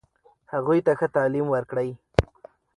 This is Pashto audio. هغوی ته ښه تعلیم ورکړئ.